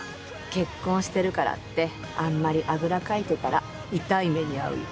結婚してるからってあんまり、あぐらかいてたら痛い目に遭うよ。